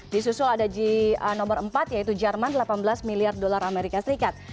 di susul ada di nomor empat yaitu jerman delapan belas miliar dolar amerika serikat